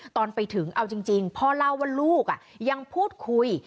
ตอนไปถึงเอาจริงพ่อเล่าว่าลูกยังพูดคุย